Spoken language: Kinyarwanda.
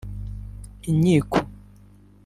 inkiko